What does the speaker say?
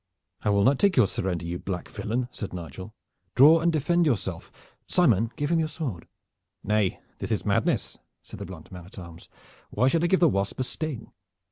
"I will not take your surrender, you black villain," said Nigel. "Draw and defend yourself. Simon, give him your sword." "Nay, this is madness," said the blunt man at arms. "Why should I give the wasp a sting?"